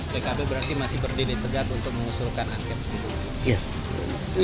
pkb berarti masih berdiri tegak untuk mengusulkan angket